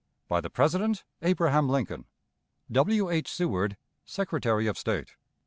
"By the President: ABRAHAM LINCOLN. "W. H. SEWARD, _Secretary of State.